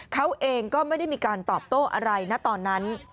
เขาเองก็ไม่ได้มีการตอบโต้อะไรนะตอนนั้น